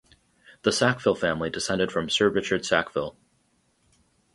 The Sackville family descended from Sir Richard Sackville.